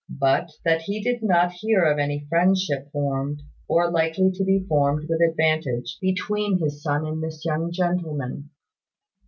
But that he did not hear of any friendship formed, or likely to be formed with advantage between his son and this young gentleman.